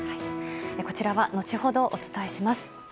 こちらは後ほどお伝えします。